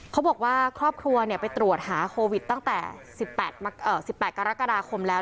เขาบอกว่าครอบครัวไปตรวจหาโควิดตั้งแต่๑๘กรกฎาคมแล้ว